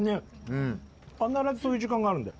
必ずそういう時間があるんだよ。